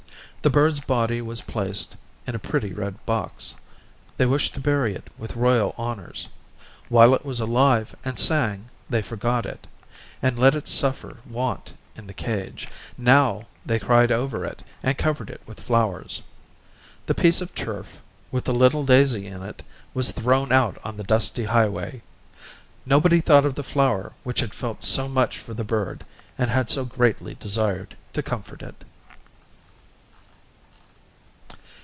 The bird's body was placed in a pretty red box; they wished to bury it with royal honours. While it was alive and sang they forgot it, and let it suffer want in the cage; now, they cried over it and covered it with flowers. The piece of turf, with the little daisy in it, was thrown out on the dusty highway. Nobody thought of the flower which had felt so much for the bird and had so greatly desired to comfort it.